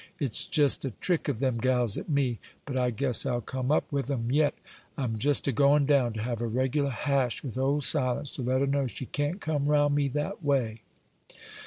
It's jest a trick of them gals at me; but I guess I'll come up with 'em yet. I'm just a goin' down to have a 'regular hash' with old Silence, to let her know she can't come round me that way."